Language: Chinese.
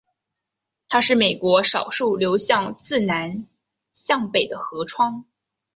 它是美国少数流向自南向北的河川。